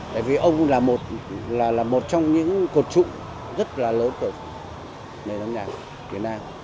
tại vì ông là một trong những cột trụ rất là lớn của nền âm nhạc việt nam